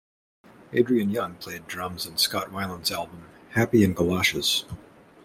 Adrian Young played drums on Scott Weiland's album "Happy" in Galoshes".